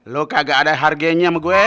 lo kagak ada harganya sama gue